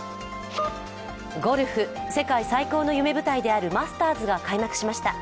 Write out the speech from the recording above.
ゴルフ、世界最高の夢舞台であるマスターズが開幕しました。